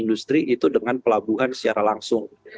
industri itu dengan pelabuhan secara langsung